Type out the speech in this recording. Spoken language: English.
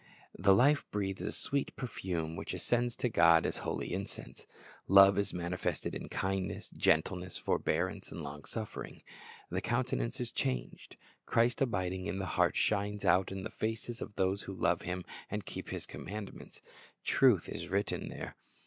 The life breathes a sweet perfume, which ascends to God as holy incense. Love is manifested in kindness, gentleness, forbearance, and long suffering. The countenance is changed. Christ abiding in the heart shines out in the feces of those who love Him and keep His commandments. Truth is written there.